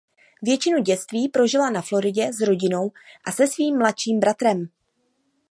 Většinu dětství prožila na Floridě s rodinou a se svým mladším bratrem.